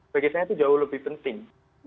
bagi saya itu jauh lebih penting